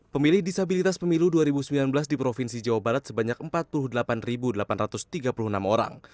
pemilih disabilitas pemilu dua ribu sembilan belas di provinsi jawa barat sebanyak empat puluh delapan delapan ratus tiga puluh enam orang